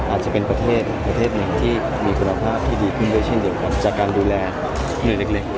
อาจจะเป็นประเทศหนึ่งที่มีคุณภาพที่ดีขึ้นด้วยเช่นเดียวกันจากการดูแลหน่วยเล็ก